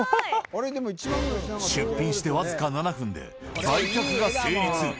出品して僅か７分で売却が成立。